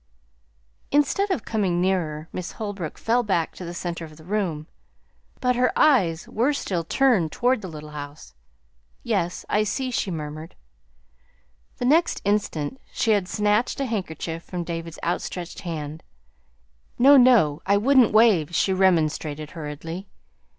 Instead of coming nearer Miss Holbrook fell back to the center of the room; but her eyes were still turned toward the little house. "Yes, I see," she murmured. The next instant she had snatched a handkerchief from David's outstretched hand. "No no I wouldn't wave," she remonstrated hurriedly.